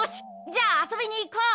じゃあ遊びに行こう！